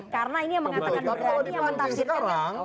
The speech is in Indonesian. karena ini yang mengatakan berani yang menafsirkan